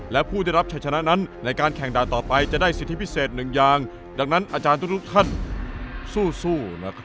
และผู้ได้รับชัยชนะนั้นในการแข่งด่านต่อไปจะได้สิทธิพิเศษหนึ่งอย่างดังนั้นอาจารย์ทุกท่านสู้